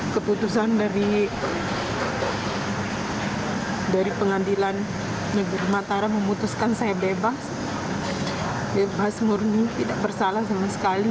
keputusan dari pengadilan negeri mataram memutuskan saya bebas bebas murni tidak bersalah sama sekali